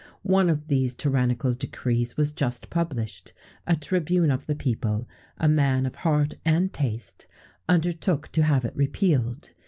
One of these tyrannical decrees was just published; a tribune of the people, a man of heart and taste, undertook to have it repealed.